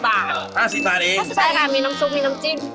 ๕๐บาทมีน้ำซุกมีน้ำจี้บ